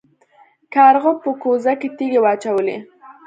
کارغه په کوزه کې تیږې واچولې.